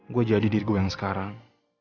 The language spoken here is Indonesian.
gue jadi diri gue yang sekarang